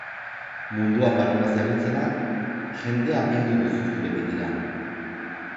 Munduan barrena zabiltzala, jendea bildu duzu zure bidera.